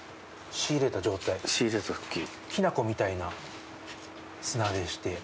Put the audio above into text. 仕入れた時きな粉みたいな砂でして。